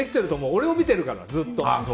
俺を見てるから、ずっと。